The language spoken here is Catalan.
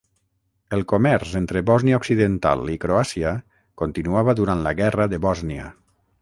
El comerç entre Bòsnia Occidental i Croàcia continuava durant la guerra de Bòsnia.